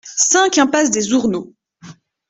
cinq impasse des Ourneaux